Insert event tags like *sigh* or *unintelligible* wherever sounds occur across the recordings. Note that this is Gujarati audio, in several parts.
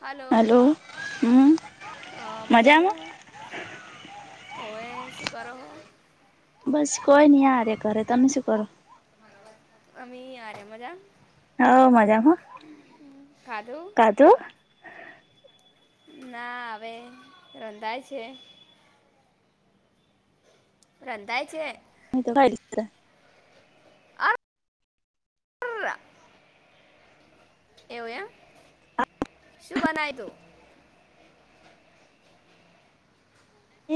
હલો હમ હા મજામાં? હોવે શું કરો હો? બસ કઈ નહીં આ રયા ઘરે. તમે શું કરો? અમે આ રયા મજા હોવ મજામાં હહ. ખાધું? ખાધું? ના હવે રંધાય છે. રંધાય છે? મેં તો ખઈ *inaudible* અર એવું એમ? શું બનાયું તું?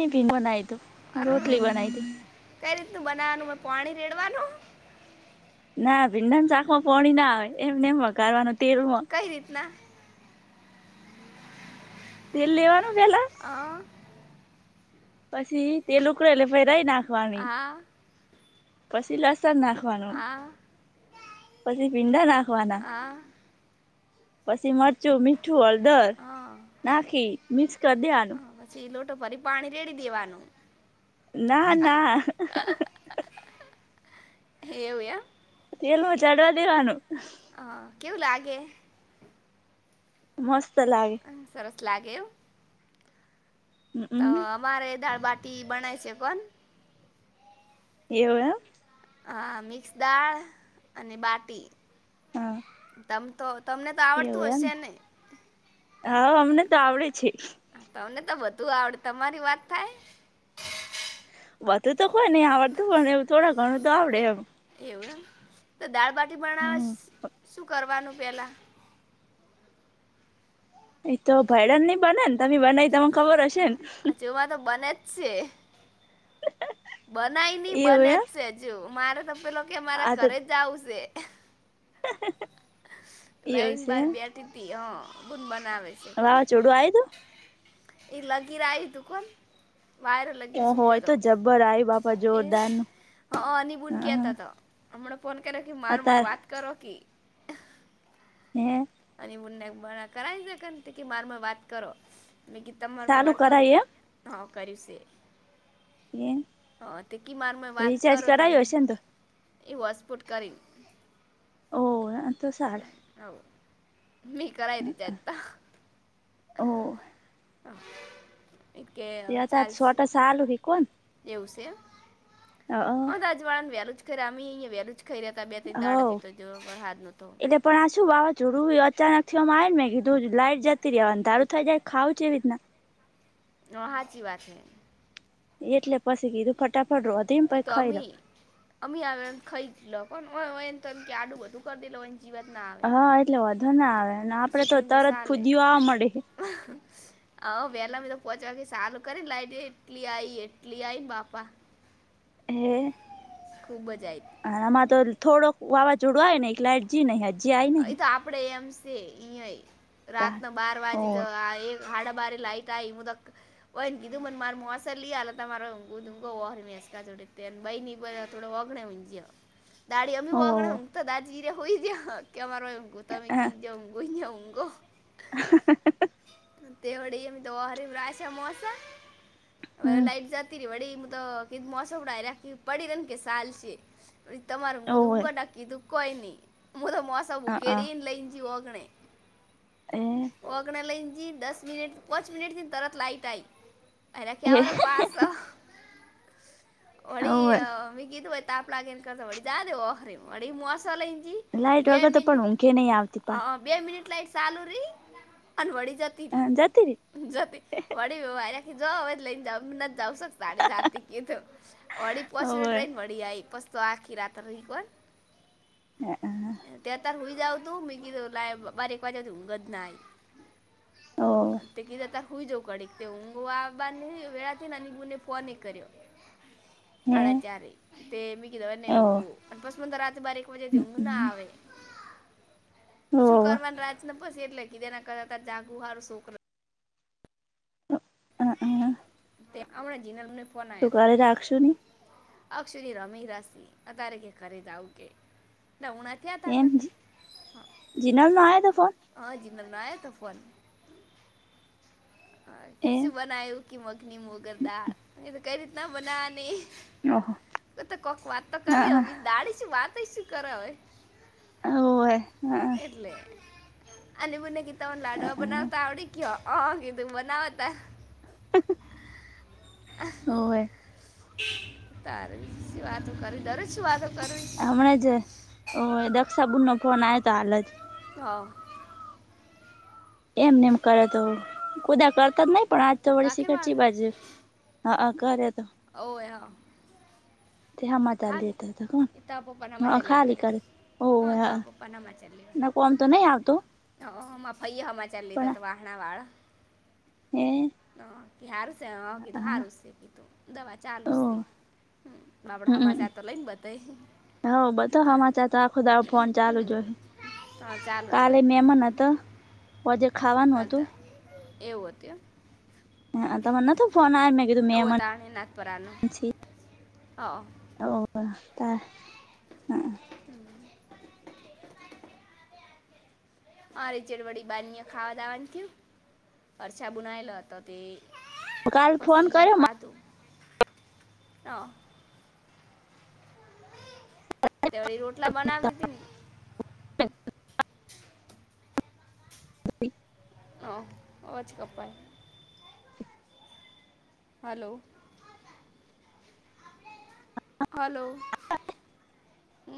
એભી બનાયુ તું, અર રોટલી બનાઈતી. કઈ રીતનું બનાવાનું એમાં પાણી રેડવાનું? ના ભીંડાનું શાકમાં પોણી ના આવે એમને એમ વધારવાનું તેલમાં. કઈ રીતના? તેલ લેવાનું પેલા. હહ પસી તેલ ઉકડે એટલે પછી રઈ નાખવાની, આ પસી લસણ નાખવા વાનું, આ પછી ભીંડા નાખવાના. આ પછી મરચું, મીઠું, હળદર અ નાખી મિક્સ કર અ, દેવાનું. પછી લોટો ભરી પાણી રેડી દેવાનું. ના ના. એવું એમ? તેલમાં ચડવા દેવાનું. અ કેવું લાગે? મસ્ત લાગે. અ, સરસ લાગે એમ. તો હમ અમારે દાળ બાટી બનાય છે પણ એવું એમ? હા મિક્સ દાળ અને બાટી. હા. તમ તો તમને તો આવડતું હશે ને? હાવ અમને તો આવડે છે. તમને તો બધુ આવડે તમારી વાત થાય. બધુ તો કોઈ નહી આવડતું પણ એવું થોડું ઘણું તો આવડે એમ. એવું એમ તો દાળબાટી બનાવા હમ શું કરવાનું પેલા. એતો ભયરન *unintelligible* નહી બને ને તમે બનાવી તને ખબર હશે ને. તેવા તો બને જ છે. બનાય નઈ એવું બને જ એમ છે જો મારે તો પેલો કે મારા ઘરે જાવું છે. હ *inaudible* લાઈન બાર બેઠી હતી હ બુન બનાવે વાવાઝોડું આયુ એ લાગર કોન *unintelligible* વાયર લ તું ઓહો એ તો સુૂટેો જબ્બર આયુ બાપા એ જોરદાર નું હ નિબૂનકી હા હતા તો હમણાં ફોન કર્યો કે માર મ અત્યારે વાત કરો કે હમ અને મુડા બ કરાય ના મારમાં વાત કરો મે તમાર મે ચાલુ વાત કરું કરાય હા કર્યું છે એમ હા તે કિમારમાં એ વાત રિચાર્જ કરો કરાયું તમે હશે ને તો એવા સ્પોટ કરી ઓ તો સાડ હ બ કરરા એ રીતે અ હતા ઓ હા તે આ સ્ોટાસ આાલું હે કોણ એવું છે હ હ વાળા ને વેલું જ ખ અ અયા વેલ જ ખ રહ્યા હતા બે ત દાડ હવ તો જોરા ન તો એટલે પણ આ શું વાવાઝોડું અચાનક થીમાં આવે ને કીધું લાઈટ જતી રહે અને દારું થઈ જાય ખાવું છે એવી રીતના વાાચી વાત છેૈ એટલે પછી કીધું ફટાફટ ર હતીમ એ પછ તો ખાઈ રહ અમી અમી આવે એમ ખાઈ જ લો એને તો એમ કે આડુંધું કરી દે લો ક વાત ના આવે હા એટલે વધો ના આવે આપડે તો સિટીમાં તરત ચાલે ફુદીું આ મળે હ વહેલા તો પોહોચવા સારું કરી લાઈટ એટલી આ એટલી આને બાપા હે ખૂબ જ આવી આમાં તો થોડોક વાવાઝોડવાય નેલાટ જી નહી હજી આ અ તો આપડે એમ છે અ તાર રાતના બાર વાગે હોવે એક હાડ બારી લઈતાાય મુદક બ કીધું મને માર મોસ લાલ હતા મારેુુંકા જોડ બ ની તોો વાગણણેઈીએ *inaudible* દાડી અમી હોગ હોવે હમ તો દાદીરે હોઈય ગયા કે અમાર તમે કી જ કોઈજઊંગો હા તેવડ મ તો ઓ હરીમ રા છે મોસા હમ લઇટ જ ડી મબ મોસડા પડીને કેસાલ છે હોવે તમારુંગટકી દુઃખ હો ન મુું તો સું અ કેે અ લઈનજી ઓોગણે એ ઓગણ લઈની દસ મિનિટ પાંચ મિનિટથીને તરત લાઈટ આવી. એ એનાકાવરાપ આસ વળડી હોવે મી કીધું હોય તાપ લાગેન કરતા વળડી જા દેવ ઓખરી વડી મોસલ એજી. લાઈટ વગર તો પણ ઊંઘે નહીં આવતી પાસ બે મિનિટ લાઈટ ચાલુ રી અને વળી જતી પાછી જતી રી રહી જતી વ ખી જવા લઈને જ નથી જાવકતાાતી ક વળી પહોચીને હોવે ટ્રેન મળ. ડી આઈ કસ્તો આખી રાત રહી ગલ. હ. તતાર હોઈ જાઉ તું મી લ બારીક વાજ્યા ધુગત ના. તે કી જ. હોઈ જાઉં કડીક તે હું આ બાર વેળાથી ને બને ફોન એક કર્યો. હે સાાડા ચ્યારે તે મી કીધવા હોવે નેંગું અને પસ મ તો રાત બારી એક વાજ્યાથી ના આવે. શું હોવે કરવાની રાજને પછ એટલે કીધેના કરતા જાગુહાર છોકરા. તો. તે આવના જના. સકાલે રાખશું. અ સુધી રમી રાસી અત્યારે કે ખરીદ આવ કે ઉણા. થયા તા એમ કર જ જીનામાં આયા તો ફોન. હા, જીમમાં આયો તો ફોન. હા, એ કેસી બનાઈ હોકી મખની મુગદાળ તો કઈ રીતના બનાની? ઓહો તો કોક વાત તો હા હા કરવી દાડીશ વાત શું કર હોય. હોવે હા એટલે અને બને કીતા લાડુવા બનાવતા આવડી? ક્યા આ કીધુંના વતા હ. હોવે તારે શી વાતો કરવી. દરેક શું વાતો કરવી. હમણાં જ દક્ષાબુનનો ફોન આવે તો હાલ જ હા. એમને એમ કરે તો ખુદા કરતા જ નહી પણ આજ તો વળ શખર છે કાકરવાળા બાજુ હા, ઘરે એ તો *unintelligible* તે હમા ચાલી ખાલી દેતા હતા. એ તો કોણ હ પપ્પાનામાં ચાલ્યા ખાલી કરીશ કરે. ઓ હા હ તો ના કો આમ તો નહી આવતો? હ હમાં ફૈયા હમા ચાલીત તો વાહણા વાળ એ હ હારું છે હ, કીધું હા સારું છે. કીધું દવા ચાલુ ઓ છે. હ બ આપડાા હમાચાર તો લઈને બતા હ બધો હમાચા તો આખો દો ફોન ચાલુ હમ, જોશે. હા ચાલુ તો કાલે હોય ને તારે મેમન હતો. પજે હા, ખાવાનું કાલ હતું. તો એવું હતું? તમને નતો ફોન આવ્યો મેં કીધું ઓ મહેમાન તણે નાથપરાનું છે હ ત હમ. અરે ચડવડી બાની ખાવા દાવાનું થયું, અરછા. બુનાયલા હતો તે કાલે પછી ફોન કર્યો *unintelligible* હ. તે વળી રોટલા બનાવી દીધીને *unintelligible* હ, અવાજ ક્પાઈ. હલો. હલો.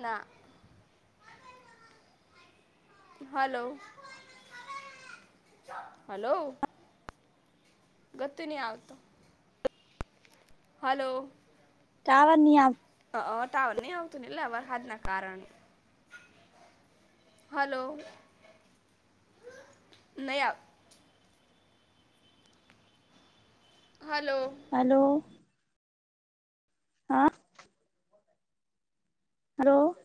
ના. Hello hello. ગતિ નહીં આવતો. હલો. ટાવર નહી આવતું. હ ટાવર નહી આવતું ને એટલે વરહાદ કારણ હાલ. નયા હલો. હલો. હા. હલો.